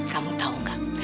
kamu tahu nggak